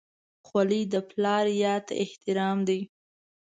خولۍ د پلار یاد ته احترام دی.